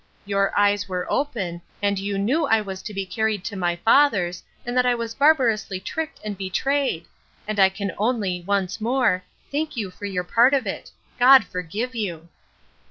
—Your eyes were open, and you knew I was to be carried to my father's, and that I was barbarously tricked and betrayed; and I can only, once more, thank you for your part of it. God forgive you!